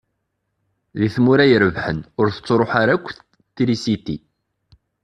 Di tmura irebḥen ur tettṛuḥu ara akk trisiti.